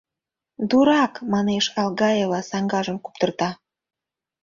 — Дурак! — манеш Алгаева, саҥгажым куптырта.